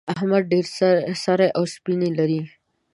احمد ډېر سرې او سپينې لري.